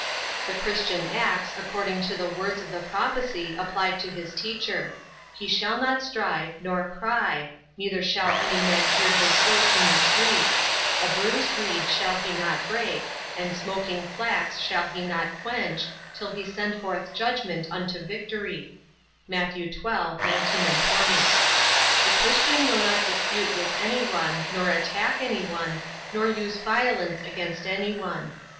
The Christian acts according to the words of the prophecy applied to his teacher: "He shall not strive, nor cry; neither shall any man hear his voice in the streets. A bruised reed shall he not break, and smoking flax shall he not quench, till he send forth judgment unto victory." (Matt. xii. 19, 20.) The Christian will not dispute with anyone, nor attack anyone, nor use violence against anyone.